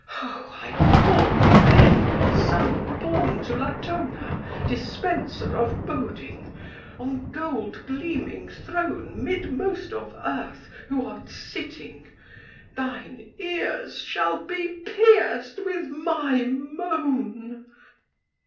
Ho, I call to thee, son Born to Latona, Dispenser of boding, on gold gleaming throne Midmost of earth who art sitting: thine ears shall be pierced with my moan!